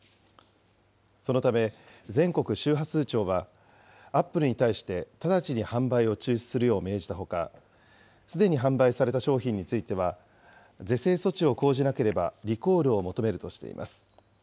そのため全国周波数庁は、アップルに対して、直ちに販売を中止するよう命じたほか、すでに販売された商品については、是正措置を講じなければリコールを求めるとしています。